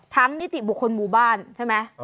นิติบุคคลหมู่บ้านใช่ไหม